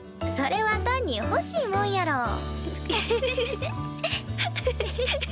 それは単にほしいもんやろ。